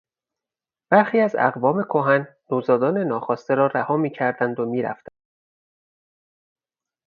برخی از اقوامکهن نوزادان ناخواسته را رها میکردند و میرفتند.